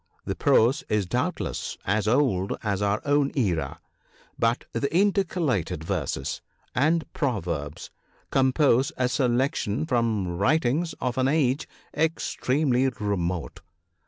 The prose is doubtless as old as our own era; but the intercalated verses and proverbs compose a selection from writings of an age extremely remote.